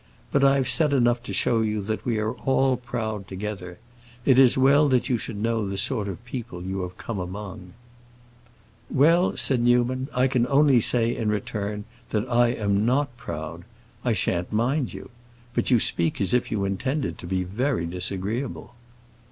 But I have said enough to show you that we are all proud together. It is well that you should know the sort of people you have come among." "Well," said Newman, "I can only say, in return, that I am not proud; I shan't mind you! But you speak as if you intended to be very disagreeable."